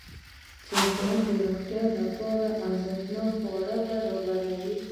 چرګان د روغتیا لپاره ارزښتناک خواړه برابروي.